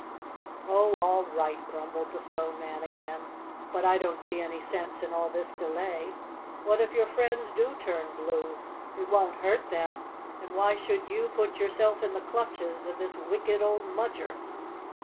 "Oh, all right," grumbled the Stone Man again, "but I don't see any sense in all this delay. What if your friends do turn blue? It won't hurt them, and why should you put yourself in the clutches of this wicked oldMudger?"